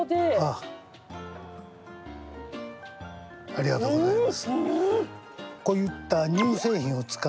ありがとうございます。